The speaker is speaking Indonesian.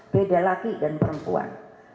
beda laki dan perempuan